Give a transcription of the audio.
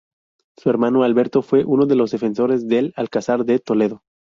Su hermano Alberto fue uno de los defensores del Alcázar de Toledo.